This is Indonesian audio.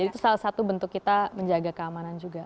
jadi itu salah satu bentuk kita menjaga keamanan juga